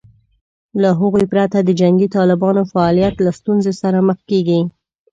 له هغوی پرته د جنګي طالبانو فعالیت له ستونزې سره مخ کېږي